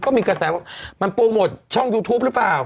ก็มีกระแสว่ามันโปรโมทช่องยูทูปหรือเปล่า